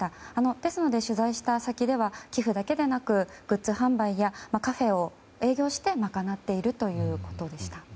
ですので取材した先では寄付だけではなくグッズ販売やカフェを営業して賄っているということでした。